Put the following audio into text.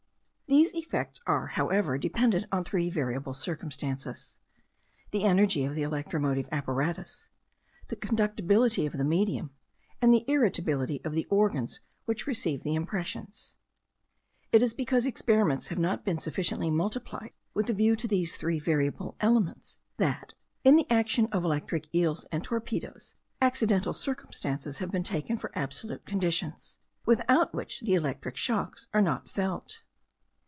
These effects are, however, dependent on three variable circumstances; the energy of the electromotive apparatus, the conductibility of the medium, and the irritability of the organs which receive the impressions: it is because experiments have not been sufficiently multiplied with a view to these three variable elements, that, in the action of electric eels and torpedos, accidental circumstances have been taken for absolute conditions, without which the electric shocks are not felt.